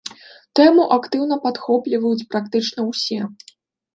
Тэму актыўна падхопліваюць практычна ўсе.